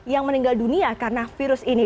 yang meninggal dunia karena virus ini